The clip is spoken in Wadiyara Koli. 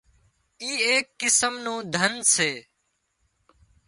اي ايڪ قسم نُون ڌنَ سي